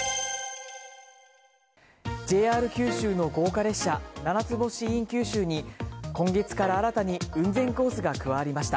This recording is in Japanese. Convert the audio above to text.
ＪＲ九州の豪華列車「ななつ星ｉｎ九州」に今月から新たに雲仙コースが加わりました。